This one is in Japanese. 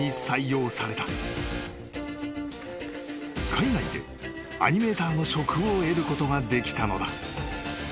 ［海外でアニメーターの職を得ることができたのだ］